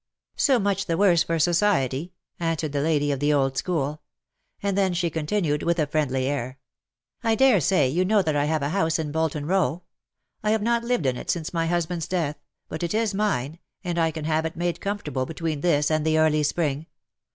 ^^" So much the worse for society,^' answered the ^NOT DEATH, BUT LOVE.'" 137 lady of the old school. And then she continued, with a friendly air, —" I dare say you know that I have a house in Bolton E/OW. I have not lived in it since my husband^s death — but it is mine, and I can have it made comfortable between this and the early spring.